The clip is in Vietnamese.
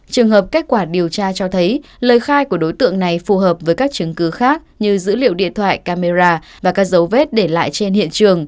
trường hợp kết quả điều tra cho thấy lời khai của đối tượng này phù hợp với các chứng cứ khác như dữ liệu điện thoại camera và các dấu vết để lại trên hiện trường